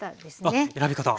あっ選び方。